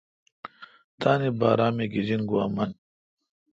تانی بارہ می گیجنگوا من